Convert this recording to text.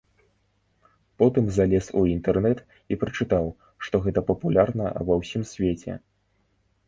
Потым залез у інтэрнэт і прачытаў, што гэта папулярна ва ўсім свеце.